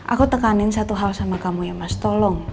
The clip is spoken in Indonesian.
aku tekanin satu hal sama kamu ya mas tolong